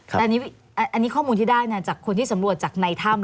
แต่อันนี้ข้อมูลที่ได้จากคนที่สำรวจจากในถ้ำ